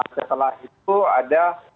setelah itu ada